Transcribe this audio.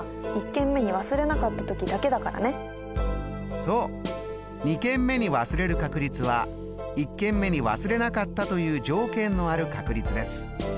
そう２軒目に忘れる確率は１軒目に忘れなかったという条件のある確率です。